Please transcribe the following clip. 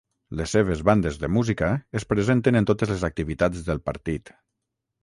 Les seves bandes de música es presenten en totes les activitats del partit.